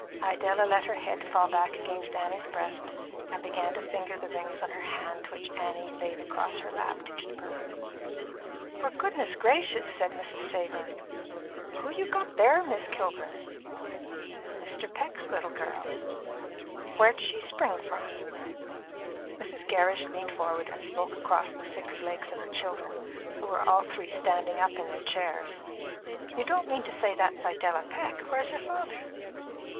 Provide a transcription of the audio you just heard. Idella let her head fall back against Annie's breast, and began to finger the rings on the hand which Annie laid across her lap to keep her. "For goodness gracious!" said Mrs. Savor, "who you got there, Miss Kilburn?" "Mr. Peck's little girl." "Where'd she spring from?" Mrs. Gerrish leaned forward and spoke across the six legs of her children, who were all three standing up in their chairs: "You don't mean to say that's Idella Peck? Where's her father?"